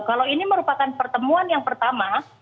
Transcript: kalau ini merupakan pertemuan yang pertama